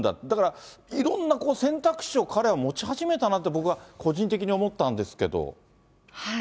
だからいろんな選択肢を、彼は持ち始めたなって、僕は個人的に思ったんですけど。